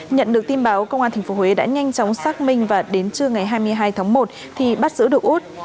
nhận được tin báo công an tp huế đã nhanh chóng xác minh và đến trưa ngày hai mươi hai tháng một thì bắt giữ được út